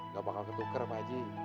gak bakal ketuker pak haji